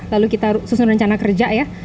lalu kita susun rencana kerja ya